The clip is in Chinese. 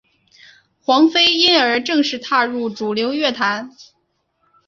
黄妃因而正式踏入主流乐坛。